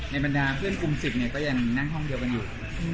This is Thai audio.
ในบรรณาเพื่อนกุม๑๐ก็ยังนั่งห้องเดียวกันอยู่